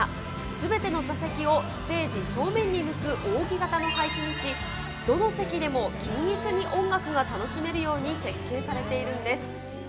すべての座席をステージ正面に向く扇形の配置をしどの席でも均一に音楽が楽しめるように設計されているんです。